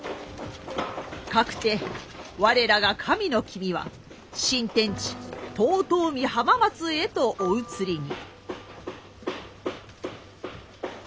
かくて我らが神の君は新天地遠江・浜松へとお移りに。